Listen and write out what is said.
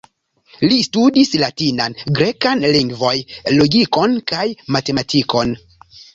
Li studis latinan, grekan lingvoj, logikon kaj matematikon.